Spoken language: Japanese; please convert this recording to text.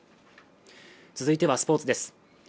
続いてはスポーツです